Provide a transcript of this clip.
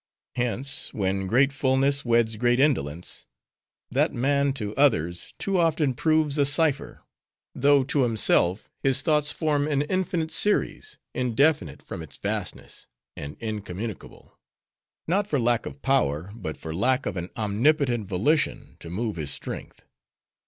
Hence, when great fullness weds great indolence;—that man, to others, too often proves a cipher; though, to himself, his thoughts form an Infinite Series, indefinite, from its vastness; and incommunicable;—not for lack of power, but for lack of an omnipotent volition, to move his strength.